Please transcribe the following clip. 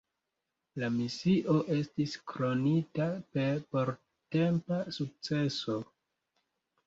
La misio estis kronita per portempa sukceso.